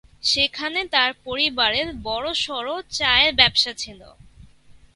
সেখানে তাঁর পরিবারের বড়সড় চায়ের ব্যবসা ছিল।